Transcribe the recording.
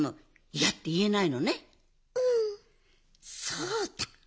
そうだ。